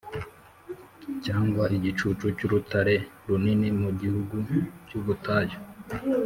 cyangwa igicucu cy’urutare runini, mu gihugu cy’ubutayu.